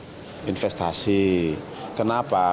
kenapa karena iklim investasi kita ini kan masih harus terus diperbaiki